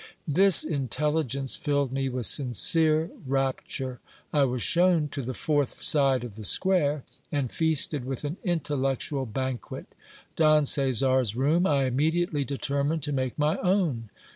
This intelligence filled me with sincere rapture. I was shewn to the fourth side of the square, and feasted with an intellectual banquet. Don Caesar's room I immediately determined to make my own.